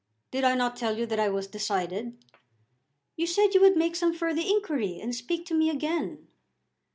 "Did I not tell you that I was decided?" "You said you would make some further inquiry and speak to me again."